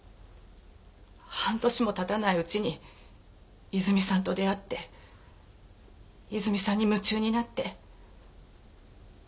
半年も経たないうちにいずみさんと出会っていずみさんに夢中になって。